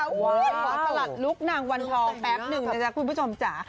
ขอสลัดลุคนางวันทองแป๊บหนึ่งนะจ๊ะคุณผู้ชมจ๋า